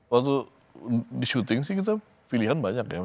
waktu di syuting sih kita pilihan banyak ya